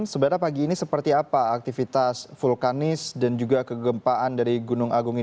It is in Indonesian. sebenarnya pagi ini seperti apa aktivitas vulkanis dan juga kegempaan dari gunung agung ini